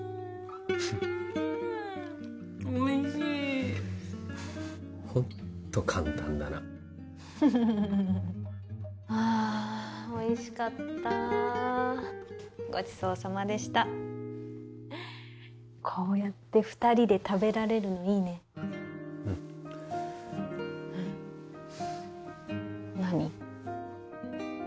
おいしいホント簡単だなフフフフフあおいしかったごちそうさまでしたこうやって２人で食べられるのいいねうん何？